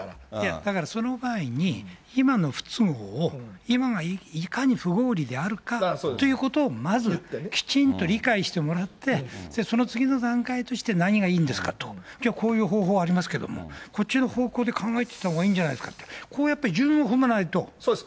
だから、その場合に、今の不都合を、今がいかに不合理であるかということを、まずきちんと理解してもらって、その次の段階として、何がいいんですかと、じゃあこういう方法ありますけども、こっちの方向で考えたほうがいいんじゃないですかと、こうやっぱり順を踏まないとだめですよ。